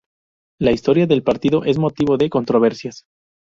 La historia del partido es motivo de controversias.